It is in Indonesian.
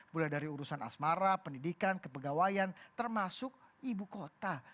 mulai dari urusan asmara pendidikan kepegawaian termasuk ibu kota